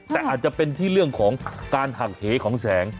แต่อาจจะเป็นที่เรื่องของการหักเหของแสง